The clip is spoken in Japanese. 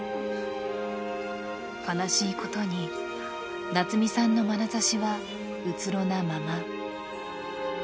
悲しいことに夏美さんのまなざしは、うつろなまま。